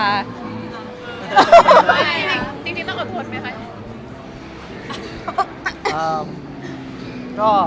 จริงต้องอดทนไหมคะ